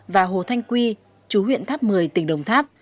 và hồ thanh quy chú huyện tháp một mươi tỉnh đồng tháp